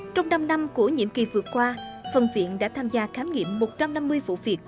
trong năm năm của nhiệm kỳ vừa qua phần viện đã tham gia khám nghiệm một trăm năm mươi vụ việc